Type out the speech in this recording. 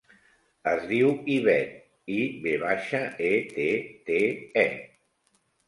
Es diu Ivette: i, ve baixa, e, te, te, e.